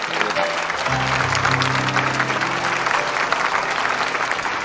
สวัสดีครับ